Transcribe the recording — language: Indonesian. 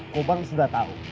gobang sudah tahu